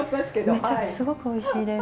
めっちゃすごくおいしいです。